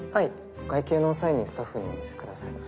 お会計の際にスタッフにお見せください。